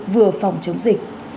vừa phòng chống dịch